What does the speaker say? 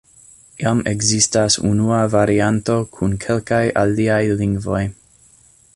Jam ekzistas unua varianto kun kelkaj aliaj lingvoj.